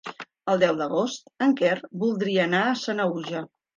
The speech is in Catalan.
El deu d'agost en Quer voldria anar a Sanaüja.